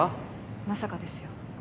まさかですよ。